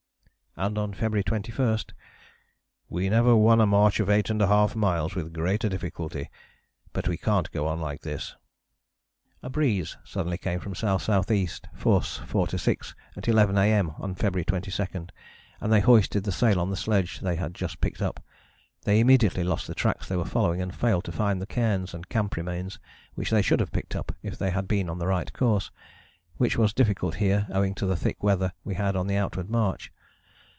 And on February 21, "We never won a march of 8½ miles with greater difficulty, but we can't go on like this." A breeze suddenly came away from S.S.E., force 4 to 6 at 11 A.M. on February 22, and they hoisted the sail on the sledge they had just picked up. They immediately lost the tracks they were following, and failed to find the cairns and camp remains which they should have picked up if they had been on the right course, which was difficult here owing to the thick weather we had on the outward march.